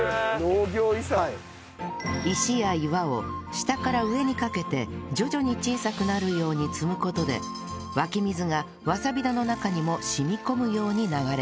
石や岩を下から上にかけて徐々に小さくなるように積む事で湧き水がわさび田の中にも染み込むように流れます